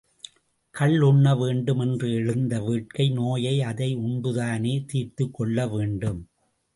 கள் உண்ண வேண்டும் என்று எழுந்த வேட்கை நோயை அதை உண்டுதானே தீர்த்துக் கொள்ளவேண்டும்?